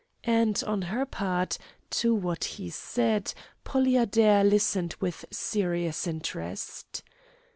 And, on her part, to what he said, Polly Adair listened with serious interest.